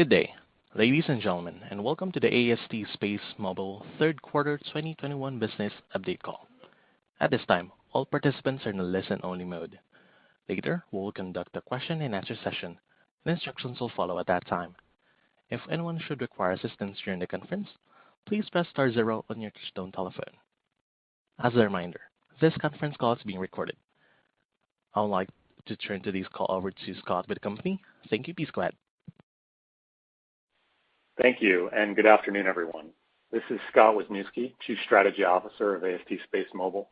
Good day, ladies and gentlemen, and welcome to the AST SpaceMobile third quarter 2021 business update call. At this time, all participants are in a listen-only mode. Later, we will conduct a question and answer session, and instructions will follow at that time. If anyone should require assistance during the conference, please press star zero on your touchtone telephone. As a reminder, this conference call is being recorded. I would like to turn today's call over to Scott with the company. Thank you. Please go ahead. Thank you, and good afternoon, everyone. This is Scott Wisniewski, Chief Strategy Officer of AST SpaceMobile.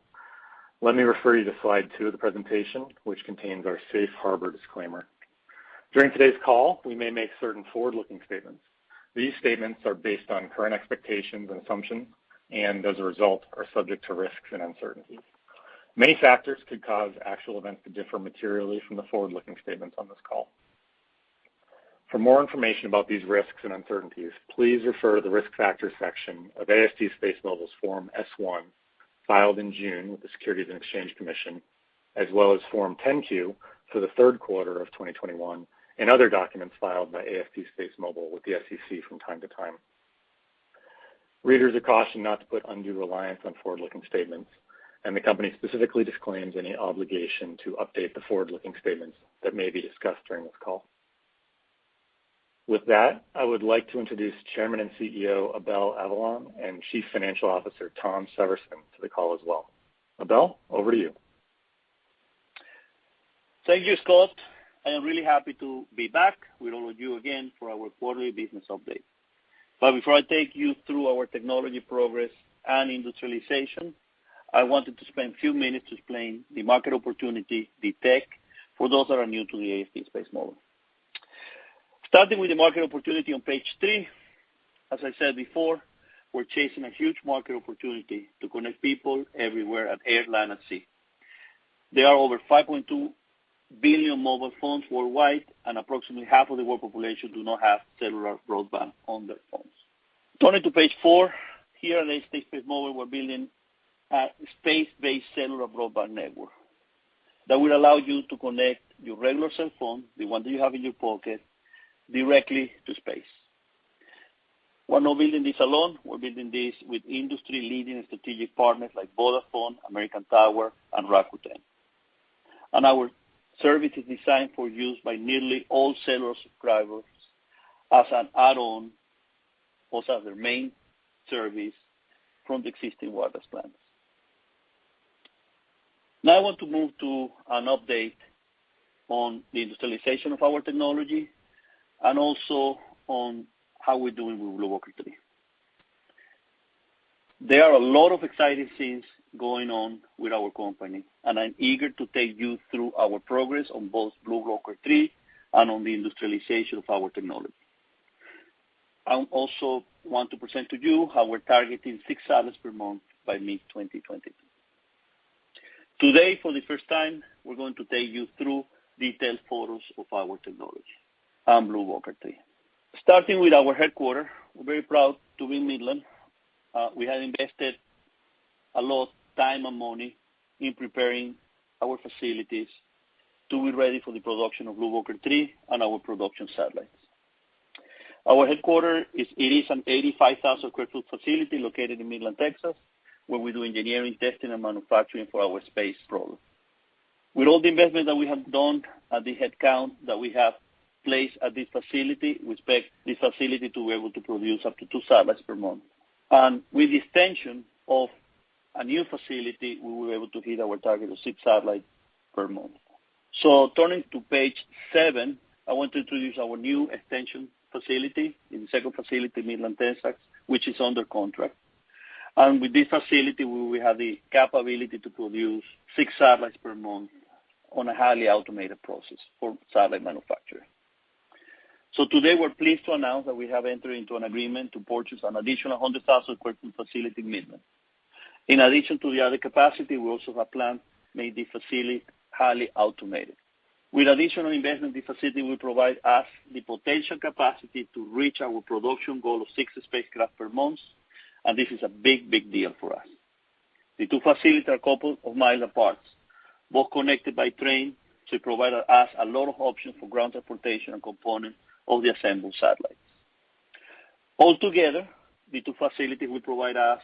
Let me refer you to slide two of the presentation, which contains our safe harbor disclaimer. During today's call, we may make certain forward-looking statements. These statements are based on current expectations and assumptions and as a result, are subject to risks and uncertainties. Many factors could cause actual events to differ materially from the forward-looking statements on this call. For more information about these risks and uncertainties, please refer to the Risk Factors section of AST SpaceMobile's Form S-1, filed in June with the Securities and Exchange Commission, as well as Form 10-Q for the third quarter of 2021 and other documents filed by AST SpaceMobile with the SEC from time to time. Readers are cautioned not to put undue reliance on forward-looking statements, and the company specifically disclaims any obligation to update the forward-looking statements that may be discussed during this call. With that, I would like to introduce Chairman and CEO, Abel Avellan, and Chief Financial Officer, Tom Severson, to the call as well. Abel, over to you. Thank you, Scott. I am really happy to be back with all of you again for our quarterly business update. Before I take you through our technology progress and industrialization, I wanted to spend a few minutes explaining the market opportunity, the tech for those that are new to the AST SpaceMobile. Starting with the market opportunity on page three, as I said before, we're chasing a huge market opportunity to connect people everywhere in the air, land, and sea. There are over 5.2 billion mobile phones worldwide, and approximately half of the world population do not have cellular broadband on their phones. Turning to page four, here at AST SpaceMobile, we're building a space-based cellular broadband network that will allow you to connect your regular cell phone, the one that you have in your pocket, directly to space. We're not building this alone. We're building this with industry-leading strategic partners like Vodafone, American Tower, and Rakuten. Our service is designed for use by nearly all cellular subscribers as an add-on for some of their main service from the existing wireless plans. Now I want to move to an update on the industrialization of our technology and also on how we're doing with BlueWalker 3. There are a lot of exciting things going on with our company, and I'm eager to take you through our progress on both BlueWalker 3 and on the industrialization of our technology. I also want to present to you how we're targeting six satellites per month by mid-2020. Today, for the first time, we're going to take you through detailed photos of our technology and BlueWalker 3. Starting with our headquarters, we're very proud to be in Midland. We have invested a lot of time and money in preparing our facilities to be ready for the production of BlueWalker 3 and our production satellites. Our headquarters is a 85,000 sq ft facility located in Midland, Texas, where we do engineering, testing, and manufacturing for our spacecraft. With all the investment that we have done and the headcount that we have placed at this facility, we expect this facility to be able to produce up to two satellites per month. With the extension of a new facility, we will be able to hit our target of six satellites per month. Turning to page 7, I want to introduce our new extension facility, the second facility in Midland, Texas, which is under contract. With this facility, we will have the capability to produce six satellites per month on a highly automated process for satellite manufacturing. Today, we're pleased to announce that we have entered into an agreement to purchase an additional 100,000 sq ft facility in Midland. In addition to the added capacity, we also have plans to make this facility highly automated. With additional investment, this facility will provide us the potential capacity to reach our production goal of six spacecraft per month. This is a big, big deal for us. The two facilities are a couple of miles apart, both connected by train to provide us a lot of options for ground transportation and component of the assembled satellites. All together, the two facilities will provide us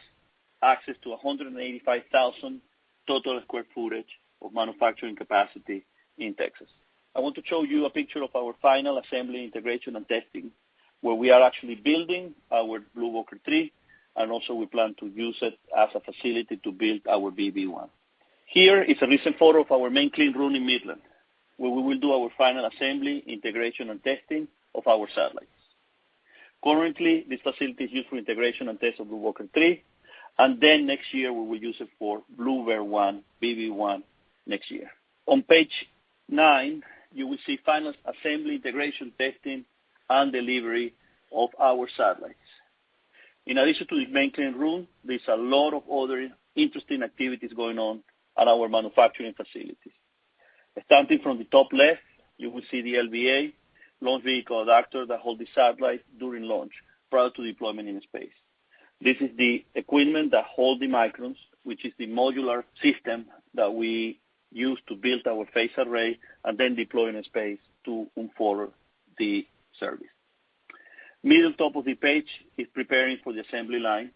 access to 185,000 total sq ft of manufacturing capacity in Texas. I want to show you a picture of our final assembly, integration, and testing, where we are actually building our BlueWalker 3, and also we plan to use it as a facility to build our BlueBird 1. Here is a recent photo of our main clean room in Midland, where we will do our final assembly, integration, and testing of our satellites. Currently, this facility is used for integration and test of BlueWalker 3, and then next year, we will use it for BlueBird 1, BlueBird 1 next year. On page nine, you will see final assembly, integration, testing, and delivery of our satellites. In addition to the main clean room, there's a lot of other interesting activities going on at our manufacturing facilities. Starting from the top left, you will see the LVA, launch vehicle adapter that hold the satellite during launch prior to deployment in space. This is the equipment that hold the microns, which is the modular system that we use to build our phased array and then deploy in a space to for the service. Middle top of the page is preparing for the assembly line.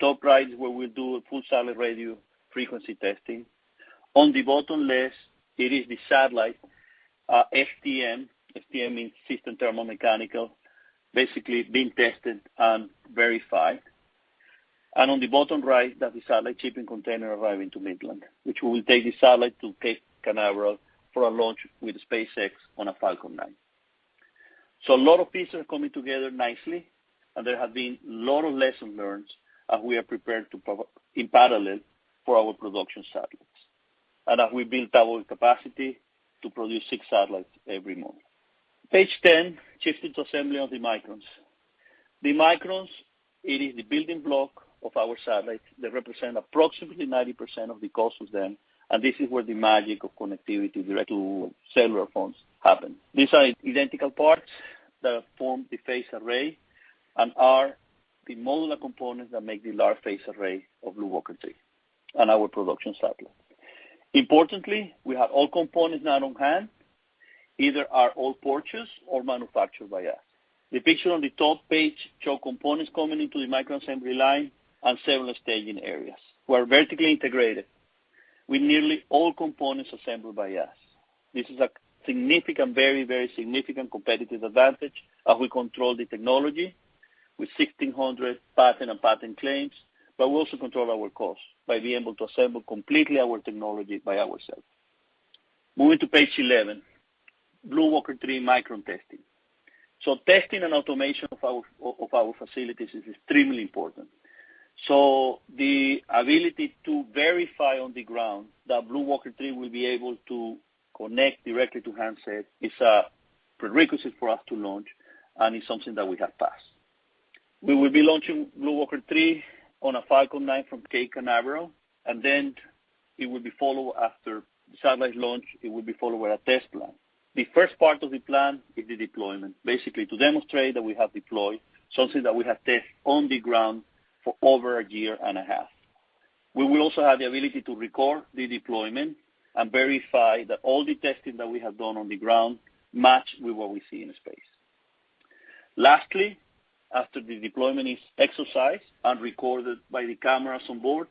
Top right is where we do a full solid radio frequency testing. On the bottom left, it is the satellite, FTM. FTM means Structural Thermal Model, basically being tested and verified. On the bottom right, that is satellite shipping container arriving to Midland, which will take the satellite to Cape Canaveral for a launch with SpaceX on a Falcon 9. A lot of pieces are coming together nicely and there have been a lot of lessons learned as we are preparing in parallel for our production satellites. As we built our capacity to produce six satellites every month. Page 10 shifts into assembly of the microns. The microns, it is the building block of our satellite. They represent approximately 90% of the cost of them, and this is where the magic of connectivity directly to cellular phones happen. These are identical parts that form the phased array and are the modular components that make the large phased array of BlueWalker 3 and our production satellite. Importantly, we have all components now on hand, either all purchased or manufactured by us. The picture on the top page shows components coming into the micron assembly line and several staging areas. We're vertically integrated with nearly all components assembled by us. This is a significant, very, very significant competitive advantage as we control the technology with 1,600 patent and patent claims, but we also control our costs by being able to assemble completely our technology by ourselves. Moving to page 11, BlueWalker 3 micron testing. Testing and automation of our facilities is extremely important. The ability to verify on the ground that BlueWalker 3 will be able to connect directly to handset is a prerequisite for us to launch, and it's something that we have passed. We will be launching BlueWalker 3 on a Falcon 9 from Cape Canaveral, and then it will be followed with a test plan. The first part of the plan is the deployment. Basically, to demonstrate that we have deployed something that we have tested on the ground for over a year and a half. We will also have the ability to record the deployment and verify that all the testing that we have done on the ground match with what we see in space. Lastly, after the deployment is exercised and recorded by the cameras on board,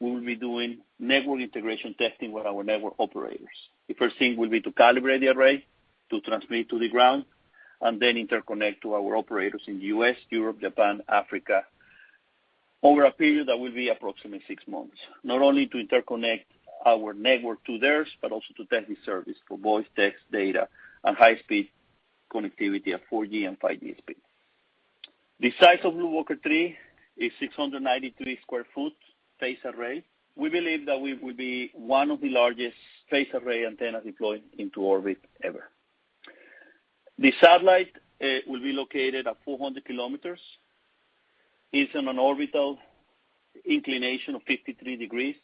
we will be doing network integration testing with our network operators. The first thing will be to calibrate the array, to transmit to the ground, and then interconnect to our operators in the U.S., Europe, Japan, Africa, over a period that will be approximately six months. Not only to interconnect our network to theirs, but also to test the service for voice, text, data, and high speed connectivity at 4G and 5G speed. The size of BlueWalker 3 is 693 sq ft phased array. We believe that we will be one of the largest phased array antennas deployed into orbit ever. The satellite will be located at 400 kilometers. It's on an orbital inclination of 53 degrees.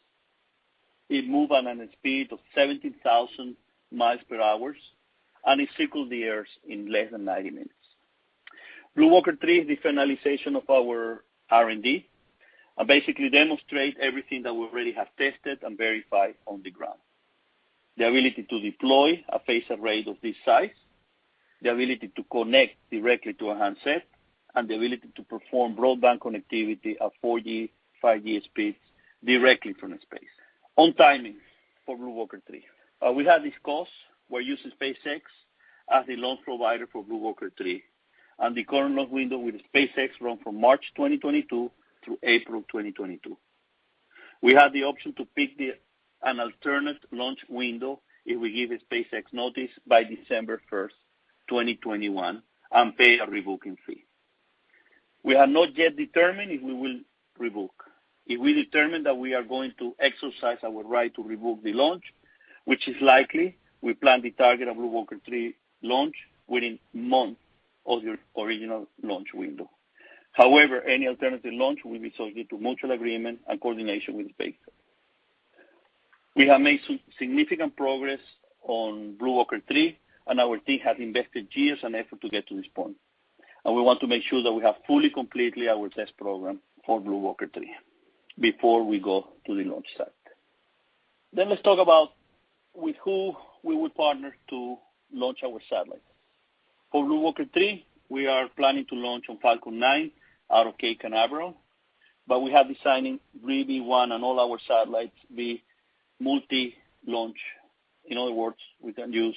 It moves at a speed of 17,000 miles per hour, and it circles the Earth in less than 90 minutes. BlueWalker 3 is the finalization of our R&D, and basically demonstrates everything that we already have tested and verified on the ground. The ability to deploy a phased array of this size, the ability to connect directly to a handset, and the ability to perform broadband connectivity at 4G, 5G speeds directly from space. On timing for BlueWalker 3. We're on course. We're using SpaceX as the launch provider for BlueWalker 3. The current launch window with SpaceX run from March 2022 through April 2022. We have the option to pick an alternate launch window if we give SpaceX notice by December 1, 2021 and pay a revoking fee. We have not yet determined if we will revoke. If we determine that we are going to exercise our right to revoke the launch, which is likely, we plan the target of BlueWalker 3 launch within months of the original launch window. However, any alternative launch will be subject to mutual agreement and coordination with SpaceX. We have made some significant progress on BlueWalker 3, and our team has invested years and effort to get to this point. We want to make sure that we have fully completed our test program for BlueWalker 3 before we go to the launch site. Let's talk about with who we would partner to launch our satellite. For BlueWalker 3, we are planning to launch on Falcon 9 out of Cape Canaveral, but we have been signing with Blue Origin and all our satellites will be multi-launch. In other words, we can use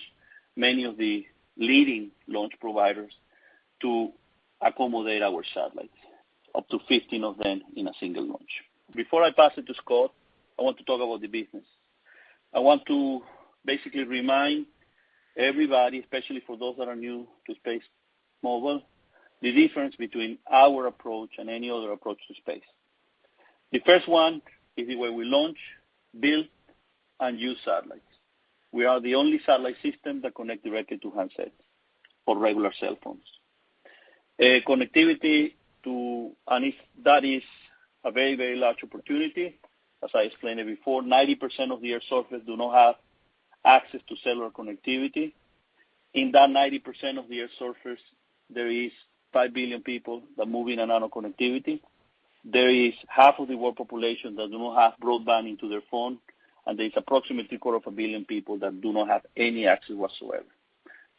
many of the leading launch providers to accommodate our satellites, up to 15 of them in a single launch. Before I pass it to Scott, I want to talk about the business. I want to basically remind everybody, especially for those that are new to SpaceMobile, the difference between our approach and any other approach to space. The first one is the way we launch, build, and use satellites. We are the only satellite system that connect directly to handsets or regular cell phones. If that is a very, very large opportunity, as I explained it before, 90% of the Earth's surface do not have access to cellular connectivity. In that 90% of the Earth's surface, there is five billion people that move in and out of connectivity. There is half of the world population that do not have broadband into their phone, and there's approximately a quarter of a billion people that do not have any access whatsoever.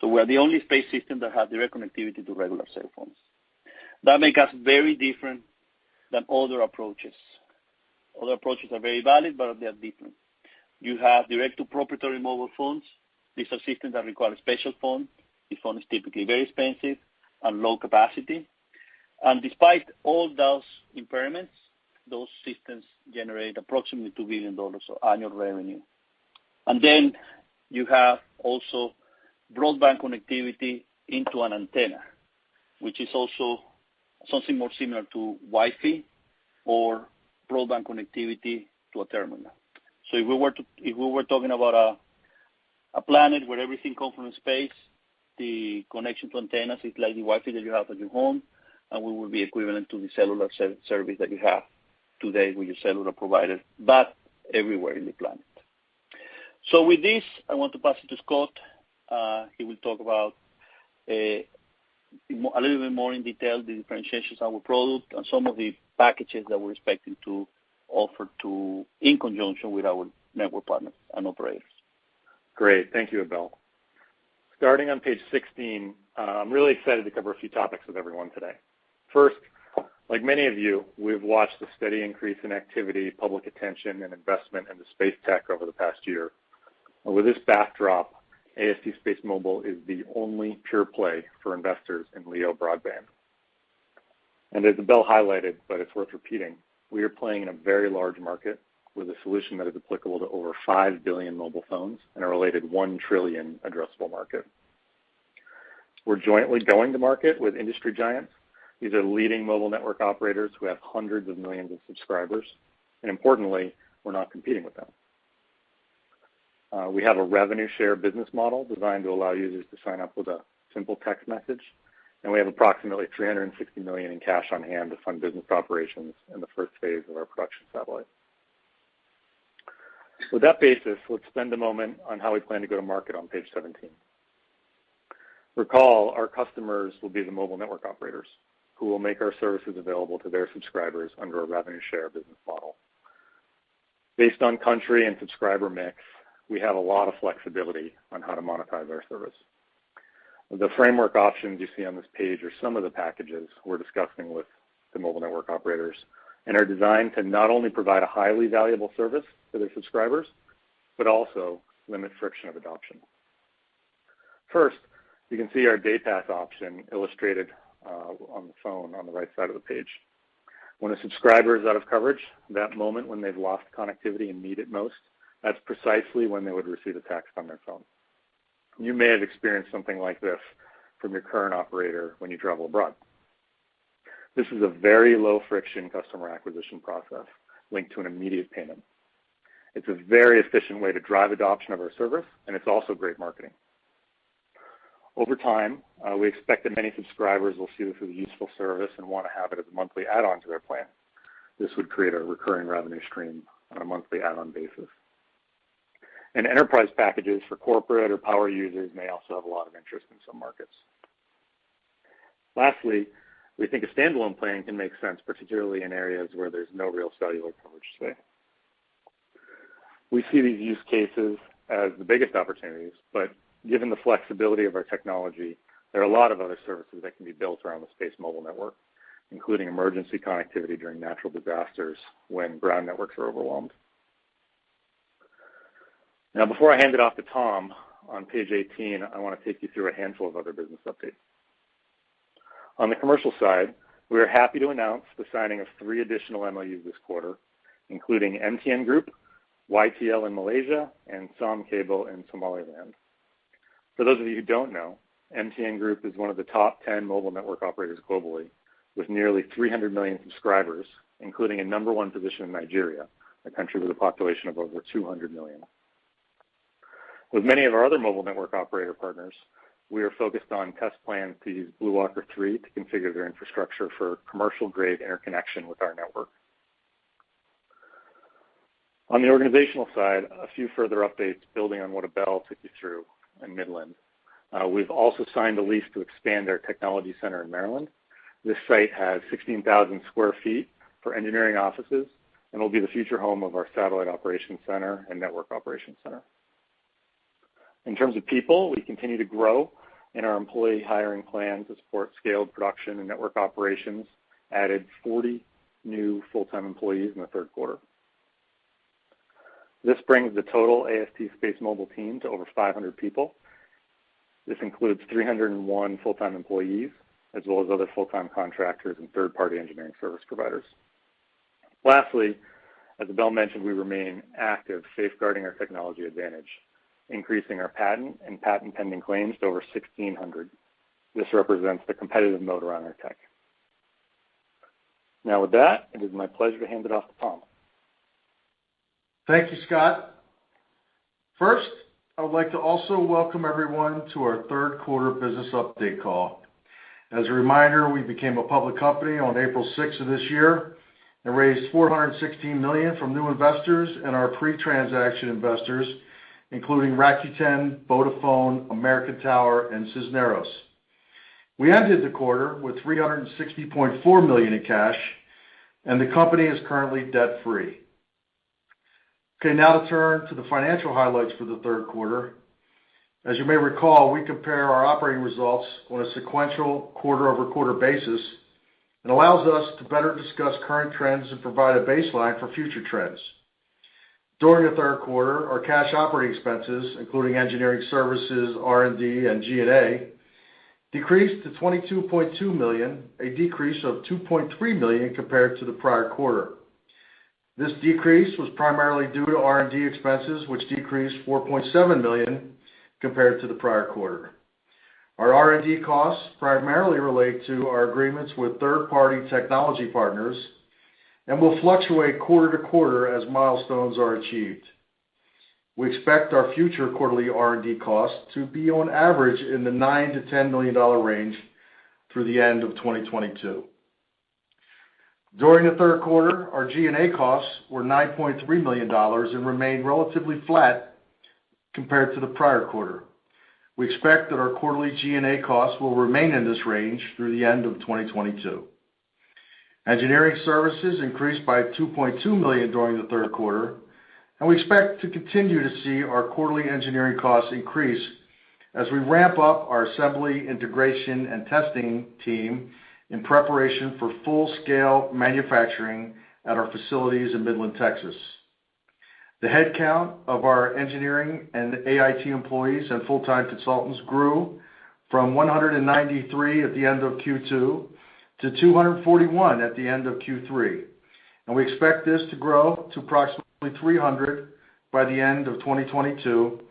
We are the only space system that has direct connectivity to regular cell phones. That make us very different than other approaches. Other approaches are very valid, but they are different. You have direct-to-proprietary mobile phones. These are systems that require a special phone. This phone is typically very expensive and low capacity. Despite all those impairments, those systems generate approximately $2 billion of annual revenue. You have also broadband connectivity into an antenna, which is also something more similar to Wi-Fi or broadband connectivity to a terminal. If we were talking about a planet where everything comes from space, the connection to antennas is like the Wi-Fi that you have at your home, and we will be equivalent to the cellular service that you have today with your cellular provider, but everywhere in the planet. With this, I want to pass it to Scott. He will talk about a little bit more in detail the differentiations of our product and some of the packages that we're expecting to offer to in conjunction with our network partners and operators. Great. Thank you, Abel. Starting on page 16, I'm really excited to cover a few topics with everyone today. First, like many of you, we've watched the steady increase in activity, public attention, and investment into space tech over the past year. With this backdrop, AST SpaceMobile is the only pure play for investors in LEO broadband. As Abel highlighted, but it's worth repeating, we are playing in a very large market with a solution that is applicable to over five billion mobile phones and a related $1 trillion addressable market. We're jointly going to market with industry giants. These are leading mobile network operators who have hundreds of millions of subscribers, and importantly, we're not competing with them. We have a revenue share business model designed to allow users to sign up with a simple text message, and we have approximately $360 million in cash on hand to fund business operations in the phase I of our production satellite. With that basis, let's spend a moment on how we plan to go to market on page 17. Recall, our customers will be the mobile network operators who will make our services available to their subscribers under a revenue share business model. Based on country and subscriber mix, we have a lot of flexibility on how to monetize our service. The framework options you see on this page are some of the packages we're discussing with the mobile network operators and are designed to not only provide a highly valuable service to their subscribers, but also limit friction of adoption. First, you can see our day pass option illustrated on the phone on the right side of the page. When a subscriber is out of coverage, that moment when they've lost connectivity and need it most, that's precisely when they would receive a text on their phone. You may have experienced something like this from your current operator when you travel abroad. This is a very low-friction customer acquisition process linked to an immediate payment. It's a very efficient way to drive adoption of our service, and it's also great marketing. Over time, we expect that many subscribers will see this as a useful service and want to have it as a monthly add-on to their plan. This would create a recurring revenue stream on a monthly add-on basis. Enterprise packages for corporate or power users may also have a lot of interest in some markets. Lastly, we think a standalone plan can make sense, particularly in areas where there's no real cellular coverage today. We see these use cases as the biggest opportunities, but given the flexibility of our technology, there are a lot of other services that can be built around the SpaceMobile network, including emergency connectivity during natural disasters when ground networks are overwhelmed. Now, before I hand it off to Tom, on page 18, I want to take you through a handful of other business updates. On the commercial side, we are happy to announce the signing of three additional MOUs this quarter, including MTN Group, YTL in Malaysia, and Somcable in Somaliland. For those of you who don't know, MTN Group is one of the top 10 mobile network operators globally, with nearly 300 million subscribers, including a number one position in Nigeria, a country with a population of over 200 million. With many of our other mobile network operator partners, we are focused on test plans to use BlueWalker 3 to configure their infrastructure for commercial-grade interconnection with our network. On the organizational side, a few further updates building on what Abel took you through in Midland. We've also signed a lease to expand our technology center in Maryland. This site has 16,000 sq ft for engineering offices and will be the future home of our satellite operations center and network operations center. In terms of people, we continue to grow, and our employee hiring plan to support scaled production and network operations added 40 new full-time employees in the third quarter. This brings the total AST SpaceMobile team to over 500 people. This includes 301 full-time employees as well as other full-time contractors and third-party engineering service providers. Lastly, as Abel mentioned, we remain active safeguarding our technology advantage, increasing our patent and patent pending claims to over 1,600. This represents the competitive moat around our tech. Now with that, it is my pleasure to hand it off to Tom. Thank you, Scott. First, I would like to also welcome everyone to our third quarter business update call. As a reminder, we became a public company on April 6 of this year and raised $416 million from new investors and our pre-transaction investors, including Rakuten, Vodafone, American Tower, and Cisneros. We ended the quarter with $360.4 million in cash, and the company is currently debt-free. Okay, now to turn to the financial highlights for the third quarter. As you may recall, we compare our operating results on a sequential quarter-over-quarter basis, and allows us to better discuss current trends and provide a baseline for future trends. During the third quarter, our cash operating expenses, including engineering services, R&D, and G&A, decreased to $22.2 million, a decrease of $2.3 million compared to the prior quarter. This decrease was primarily due to R&D expenses, which decreased $4.7 million compared to the prior quarter. Our R&D costs primarily relate to our agreements with third-party technology partners and will fluctuate quarter to quarter as milestones are achieved. We expect our future quarterly R&D costs to be on average in the $9-$10 million range through the end of 2022. During the third quarter, our G&A costs were $9.3 million and remained relatively flat compared to the prior quarter. We expect that our quarterly G&A costs will remain in this range through the end of 2022. Engineering services increased by $2.2 million during the third quarter, and we expect to continue to see our quarterly engineering costs increase as we ramp up our assembly, integration, and testing team in preparation for full-scale manufacturing at our facilities in Midland, Texas. The headcount of our engineering and AIT employees and full-time consultants grew from 193 at the end of Q2 to 241 at the end of Q3. We expect this to grow to approximately 300 by the end of 2022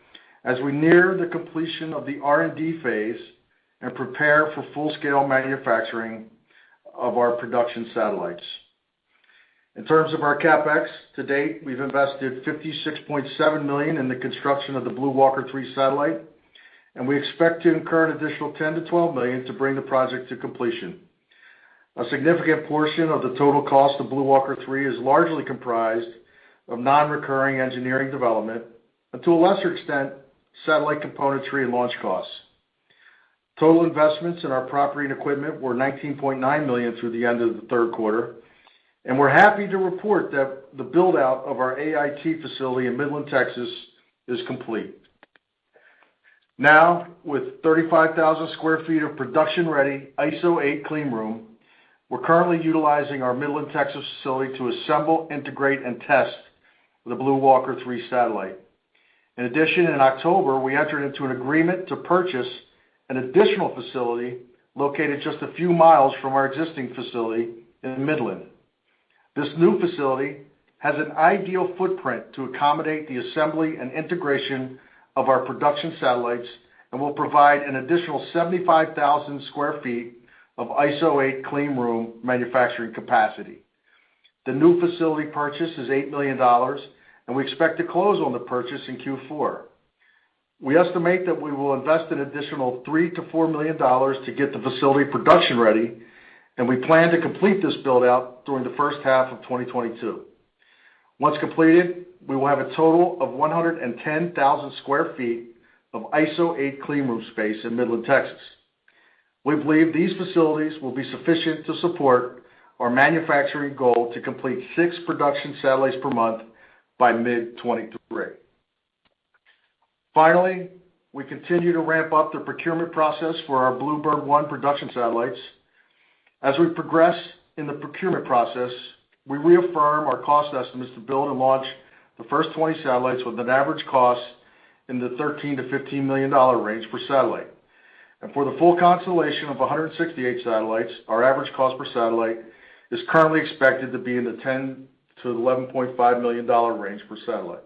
as we near the completion of the R&D phase and prepare for full-scale manufacturing of our production satellites. In terms of our CapEx, to date, we've invested $56.7 million in the construction of the BlueWalker 3 satellite, and we expect to incur an additional $10 million-$12 million to bring the project to completion. A significant portion of the total cost of BlueWalker 3 is largely comprised of non-recurring engineering development, and to a lesser extent, satellite componentry and launch costs. Total investments in our property and equipment were $19.9 million through the end of the third quarter, and we're happy to report that the build-out of our AIT facility in Midland, Texas is complete. Now, with 35,000 sq ft of production-ready ISO 8 cleanroom, we're currently utilizing our Midland, Texas facility to assemble, integrate, and test the BlueWalker 3 satellite. In addition, in October, we entered into an agreement to purchase an additional facility located just a few miles from our existing facility in Midland. This new facility has an ideal footprint to accommodate the assembly and integration of our production satellites and will provide an additional 75,000 sq ft of ISO 8 cleanroom manufacturing capacity. The new facility purchase is $8 million, and we expect to close on the purchase in Q4. We estimate that we will invest an additional $3-$4 million to get the facility production-ready, and we plan to complete this build-out during the first half of 2022. Once completed, we will have a total of 110,000 sq ft of ISO 8 cleanroom space in Midland, Texas. We believe these facilities will be sufficient to support our manufacturing goal to complete six production satellites per month by mid-2023. Finally, we continue to ramp up the procurement process for our BlueBird 1 production satellites. As we progress in the procurement process, we reaffirm our cost estimates to build and launch the first 20 satellites with an average cost in the $13-$15 million range per satellite. For the full constellation of 168 satellites, our average cost per satellite is currently expected to be in the $10-$11.5 million range per satellite.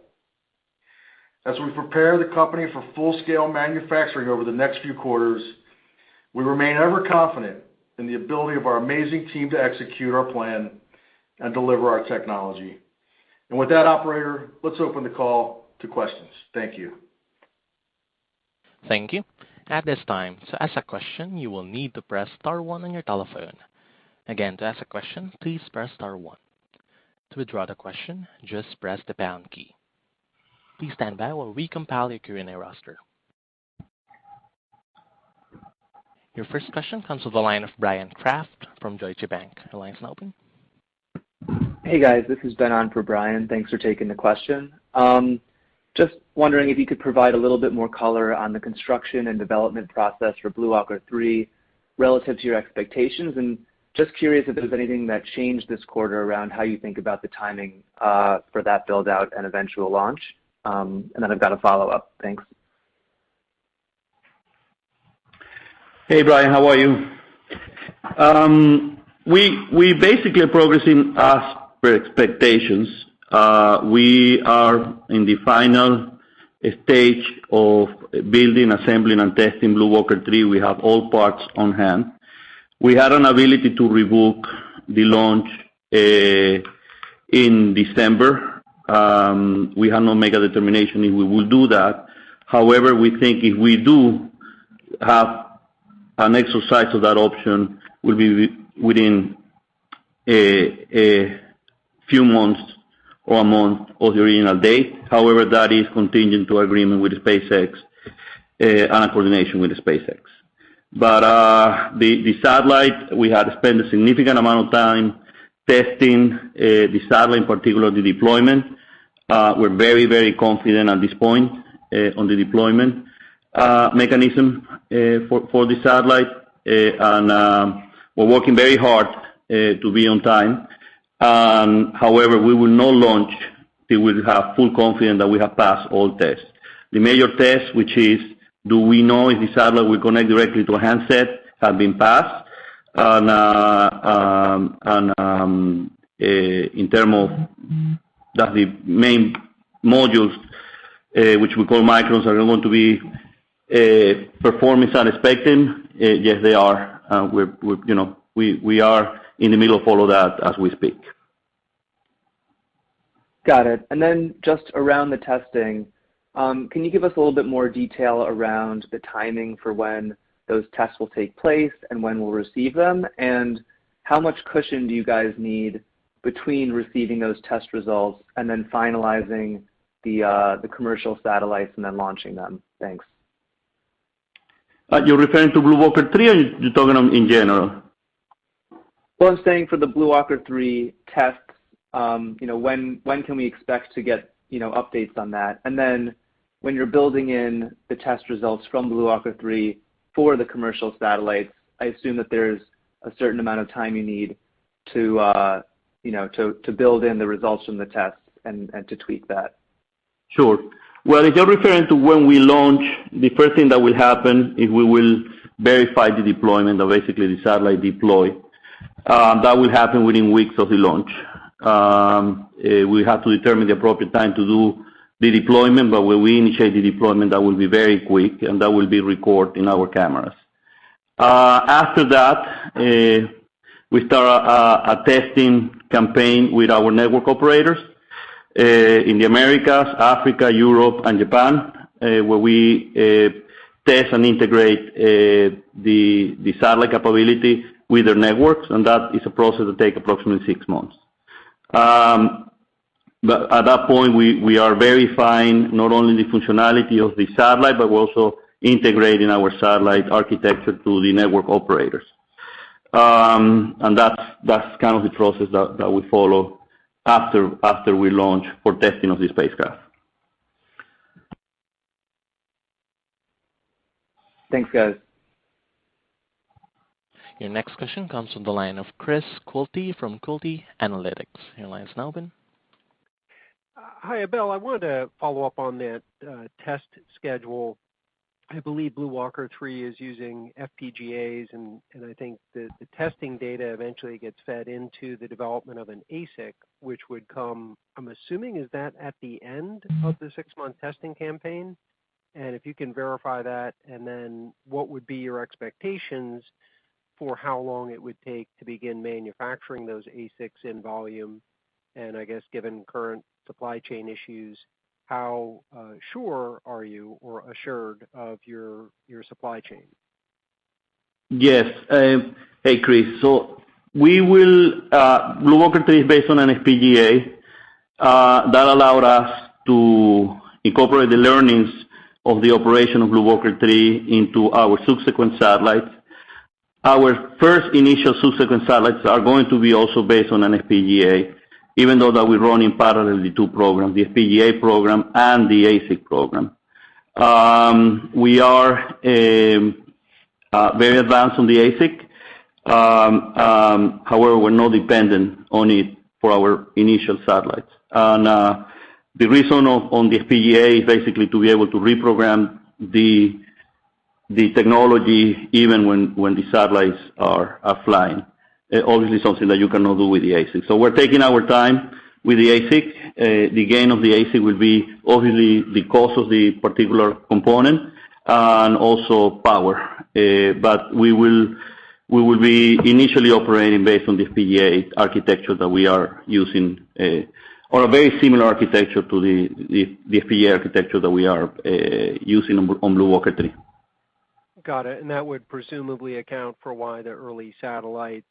As we prepare the company for full-scale manufacturing over the next few quarters, we remain ever confident in the ability of our amazing team to execute our plan and deliver our technology. With that, operator, let's open the call to questions. Thank you. Thank you. At this time, to ask a question, you will need to press star one on your telephone. Again, to ask a question, please press star one. To withdraw the question, just press the pound key. Please stand by while we compile your Q&A roster. Your first question comes from the line of Bryan Kraft from Deutsche Bank. The line is now open. Hey, guys. This is Ben on for Bryan. Thanks for taking the question. Just wondering if you could provide a little bit more color on the construction and development process for BlueWalker 3 relative to your expectations. Just curious if there's anything that changed this quarter around how you think about the timing, for that build-out and eventual launch. I've got a follow-up. Thanks. Hey, Bryan. How are you? We basically are progressing as per expectations. We are in the final stage of building, assembling, and testing BlueWalker 3. We have all parts on hand. We had an ability to rebook the launch. In December, we have not made a determination if we will do that. However, we think if we do have an exercise of that option, it will be within a few months or a month of the original date. However, that is contingent to agreement with SpaceX and a coordination with SpaceX. The satellite, we had to spend a significant amount of time testing the satellite, in particular the deployment. We're very confident at this point on the deployment mechanism for the satellite. We're working very hard to be on time. However, we will not launch till we have full confidence that we have passed all tests. The major test, which is do we know if the satellite will connect directly to a handset, have been passed. In terms of that, the main modules, which we call micros, are going to be performing unexpectedly. Yes, they are. We're, you know, in the middle of all of that as we speak. Got it. Then just around the testing, can you give us a little bit more detail around the timing for when those tests will take place and when we'll receive them? How much cushion do you guys need between receiving those test results and then finalizing the commercial satellites and then launching them? Thanks. You're referring to BlueWalker 3, or you're talking in general? Well, I'm saying for the BlueWalker 3 tests, you know, when can we expect to get, you know, updates on that? When you're building in the test results from BlueWalker 3 for the commercial satellites, I assume that there's a certain amount of time you need to, you know, to build in the results from the tests and to tweak that. Sure. Well, if you're referring to when we launch, the first thing that will happen is we will verify the deployment of basically the satellite deployment. That will happen within weeks of the launch. We have to determine the appropriate time to do the deployment, but when we initiate the deployment, that will be very quick, and that will be recorded in our cameras. After that, we start a testing campaign with our network operators in the Americas, Africa, Europe and Japan, where we test and integrate the satellite capability with their networks, and that is a process that takes approximately six months. At that point, we are verifying not only the functionality of the satellite, but we're also integrating our satellite architecture to the network operators. That's kind of the process that we follow after we launch for testing of the spacecraft. Thanks, guys. Your next question comes from the line of Chris Quilty from Quilty Analytics. Your line is now open. Hi, Abel. I wanted to follow up on that test schedule. I believe BlueWalker 3 is using FPGAs, and I think the testing data eventually gets fed into the development of an ASIC, which would come, I'm assuming, is that at the end of the six-month testing campaign? And if you can verify that, and then what would be your expectations for how long it would take to begin manufacturing those ASICs in volume? And I guess, given current supply chain issues, how sure are you or assured of your supply chain? Yes. Hey, Chris. BlueWalker 3 is based on an FPGA. That allowed us to incorporate the learnings of the operation of BlueWalker 3 into our subsequent satellites. Our first initial subsequent satellites are going to be also based on an FPGA, even though that we're running in parallel the two programs, the FPGA program and the ASIC program. We are very advanced on the ASIC. However, we're not dependent on it for our initial satellites. The reason we're on the FPGA is basically to be able to reprogram the technology even when the satellites are flying. Obviously something that you cannot do with the ASIC. We're taking our time with the ASIC. The gain of the ASIC will be obviously the cost of the particular component and also power. We will be initially operating based on the FPGA architecture that we are using, or a very similar architecture to the FPGA architecture that we are using on BlueWalker 3. Got it. That would presumably account for why the early satellites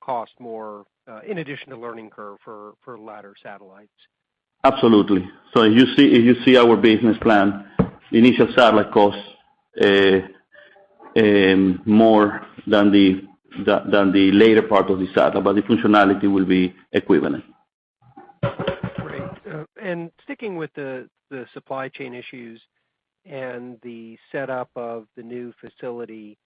cost more, in addition to learning curve for latter satellites. Absolutely. If you see our business plan, the initial satellite costs more than the later part of the satellite, but the functionality will be equivalent. Great. Sticking with the supply chain issues and the setup of the new facility,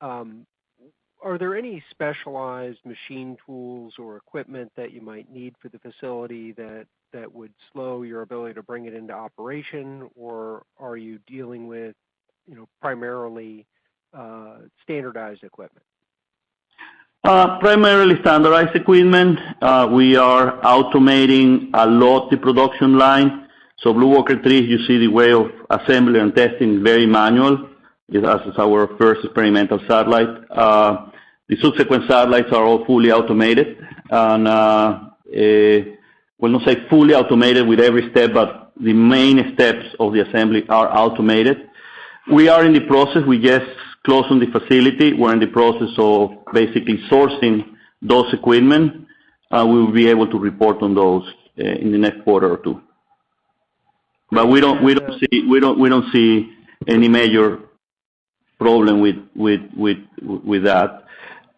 are there any specialized machine tools or equipment that you might need for the facility that would slow your ability to bring it into operation? Or are you dealing with, you know, primarily standardized equipment? Primarily standardized equipment. We are automating a lot the production line. BlueWalker 3, you see the way of assembly and testing is very manual. It as is our first experimental satellite. The subsequent satellites are all fully automated and we'll not say fully automated with every step, but the main steps of the assembly are automated. We are in the process. We just closed on the facility. We're in the process of basically sourcing those equipment. We will be able to report on those in the next quarter or two. We don't see any major problem with that.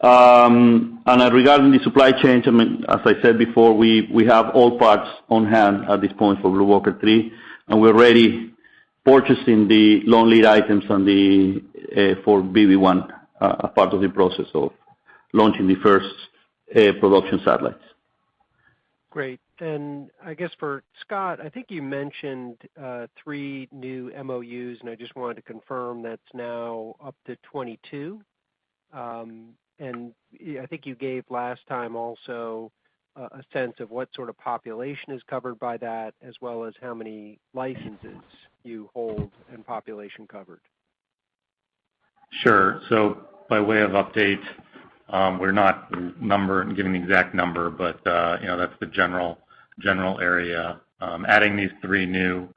Regarding the supply chain, I mean, as I said before, we have all parts on hand at this point for BlueWalker 3, and we're already purchasing the long lead items for BlueBird 1, a part of the process of launching the first production satellites. Great. I guess for Scott, I think you mentioned three new MOUs, and I just wanted to confirm that's now up to 22. I think you gave last time also a sense of what sort of population is covered by that as well as how many licenses you hold and population covered. Sure. By way of update, we're not giving the exact number, but, you know, that's the general area. Adding these three new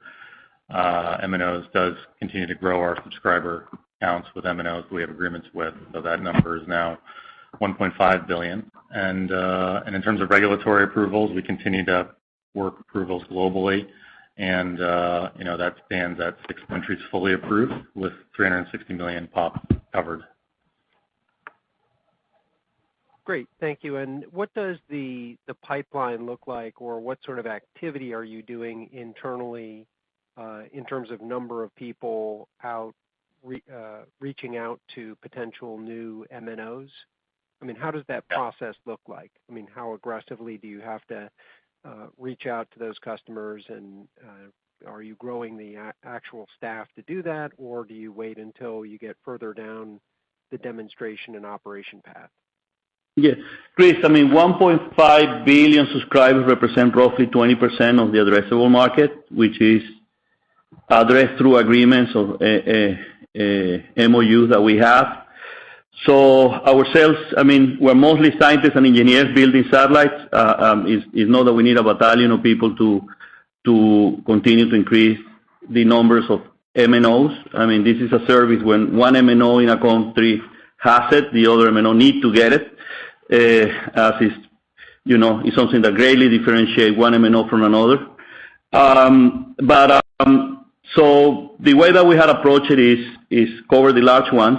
MNOs does continue to grow our subscriber counts with MNOs we have agreements with. That number is now 1.5 billion. In terms of regulatory approvals, we continue to work approvals globally. You know, that spans out six countries fully approved with 360 million pop covered. Great. Thank you. What does the pipeline look like? Or what sort of activity are you doing internally in terms of number of people out reaching out to potential new MNOs? I mean, how does that process look like? I mean, how aggressively do you have to reach out to those customers and are you growing the actual staff to do that, or do you wait until you get further down the demonstration and operation path? Yeah. Chris, I mean, 1.5 billion subscribers represent roughly 20% of the addressable market, which is addressed through agreements of MOUs that we have. Ourselves, I mean, we're mostly scientists and engineers building satellites. It's not that we need a battalion of people to continue to increase the numbers of MNOs. I mean, this is a service when one MNO in a country has it, the other MNO need to get it. As is, you know, it's something that greatly differentiate one MNO from another. The way that we had approached it is to cover the large ones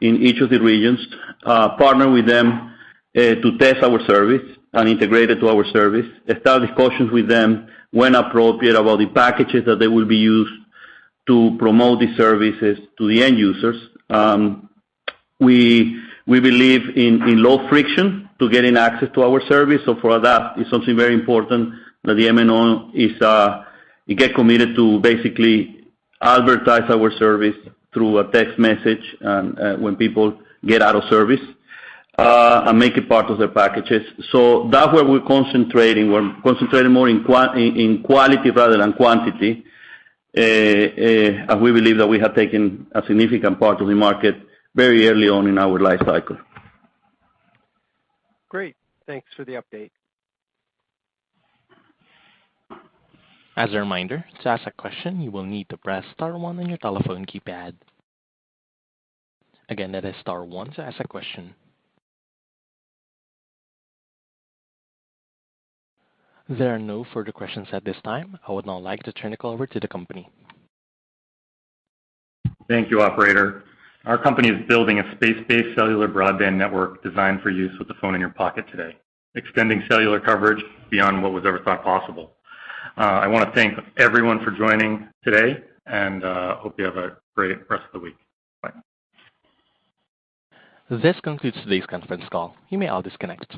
in each of the regions, partner with them to test our service and integrate it into our service, establish conditions with them when appropriate about the packages that they will use to promote the services to the end users. We believe in low friction to getting access to our service. For that, it's something very important that the MNO gets committed to basically advertise our service through a text message and when people get out of service and make it part of their packages. That's where we're concentrating. We're concentrating more in quality rather than quantity. We believe that we have taken a significant part of the market very early on in our life cycle. Great. Thanks for the update. As a reminder, to ask a question, you will need to press star one on your telephone keypad. Again, that is star one to ask a question. There are no further questions at this time. I would now like to turn the call over to the company. Thank you, operator. Our company is building a space-based cellular broadband network designed for use with the phone in your pocket today, extending cellular coverage beyond what was ever thought possible. I wanna thank everyone for joining today and hope you have a great rest of the week. Bye. This concludes today's conference call. You may all disconnect.